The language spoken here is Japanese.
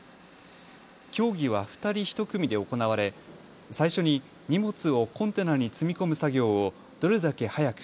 競技は２人１組で行われ最初に荷物をコンテナに積み込む作業をどれだけ早く、